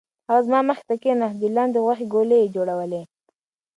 هغه زما مخې ته کېناست او د لاندي غوښې ګولې یې جوړولې.